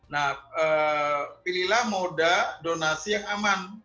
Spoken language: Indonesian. nah pilihlah moda donasi yang aman